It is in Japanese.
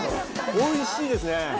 おいしいですね。